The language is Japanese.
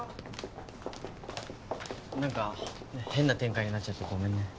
なんか変な展開になっちゃってごめんね。